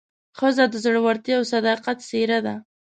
ښځه د زړورتیا او صداقت څېره ده.